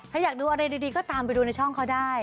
ถ้าอยากดูอะไรดีก็ตามไปดูในช่องเขาได้